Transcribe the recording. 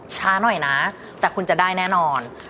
ช้าหน่อยนะแต่คุณจะได้แน่นอน